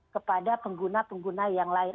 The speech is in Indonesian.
kepada pengguna pengguna yang lain